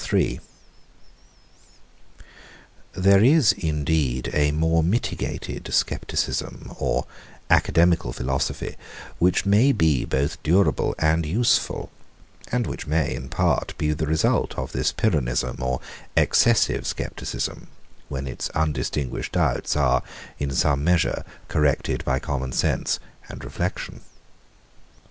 129. There is, indeed, a more mitigated scepticism or academical philosophy, which may be both durable and useful, and which may, in part, be the result of this Pyrrhonism, or excessive scepticism, when its undistinguished doubts are, in some measure, corrected by common sense and reflection.